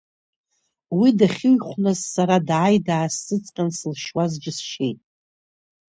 Уи дахьыҩхәназ сара дааи даасзыҵҟьан, сылшьуаз џьысшьеит.